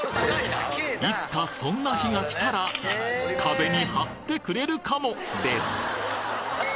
いつかそんな日が来たら壁に貼ってくれるかもです